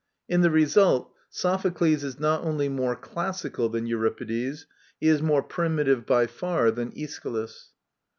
In the result Sophocles is not only more classical " than Euripides; he is more primitive by far than Aeschylus.